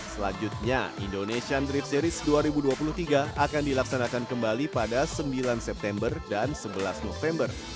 selanjutnya indonesian drift series dua ribu dua puluh tiga akan dilaksanakan kembali pada sembilan september dan sebelas november